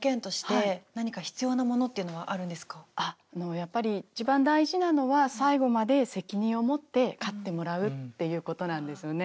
やっぱり一番大事なのは最後まで責任を持って飼ってもらうっていうことなんですよね。